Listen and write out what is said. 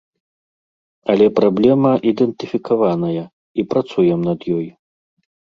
Але праблема ідэнтыфікаваная, і працуем над ёй.